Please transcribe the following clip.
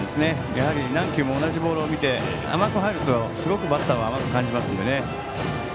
やはり何球も同じボールを見て甘く入ると、すごくバッターは甘く感じますので。